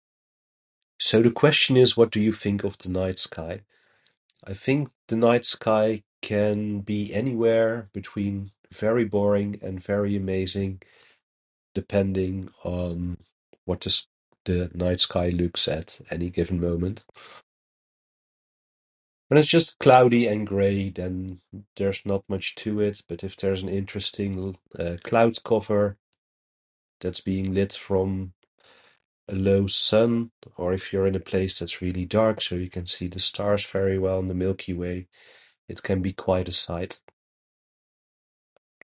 "So the question is, ""What do you think of the night sky""? I think the night sky can be anywhere between very boring and very amazing, depending on what is the night sky looks at any given moment. When it's just cloudy and gray, then there's not much to it. But, if there's an interesting, uh, cloud cover that's being lit from a low sun, or if you're in a place that's really dark so you can see the stars very well in The Milky Way, it can be quite a sight."